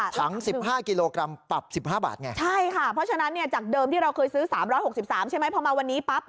ถึง๑สิงหา๑สิงหาขยับอีก๑๕บาทค่ะ